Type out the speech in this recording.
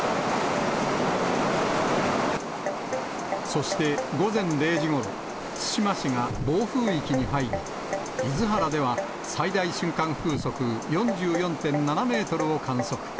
そして、午前０時ごろ、対馬市が暴風域に入り、厳原では最大瞬間風速４４．７メートルを観測。